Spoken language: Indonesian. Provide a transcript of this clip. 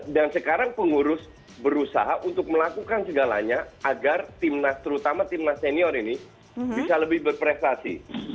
dan sekarang pengurus berusaha untuk melakukan segalanya agar timnas terutama timnas senior ini bisa lebih berprestasi